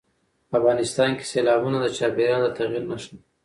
افغانستان کې سیلابونه د چاپېریال د تغیر نښه ده.